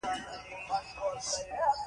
ګلان د کور دننه هم ساتل کیږي.